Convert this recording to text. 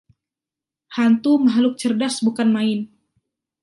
Hantu makhluk cerdas bukan main.